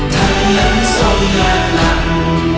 ท่านนั้นส่งงานนั้น